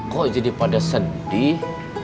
kok jadi pada sedih